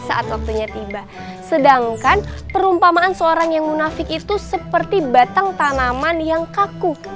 saat waktunya tiba sedangkan perumpamaan seorang yang munafik itu seperti batang tanaman yang kakuk